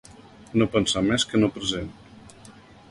No pensar més que en el present.